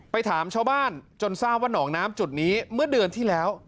ถามชาวบ้านจนทราบว่าหนองน้ำจุดนี้เมื่อเดือนที่แล้ว